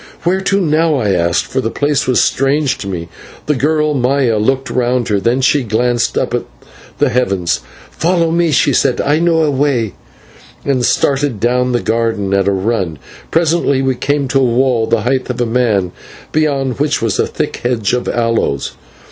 "Where to now?" I asked, for the place was strange to me. The girl, Maya, looked round her, then she glanced up at the heavens. "Follow me," she said, "I know a way," and started down the garden at a run. Presently we came to a wall the height of a man, beyond which was a thick hedge of aloes.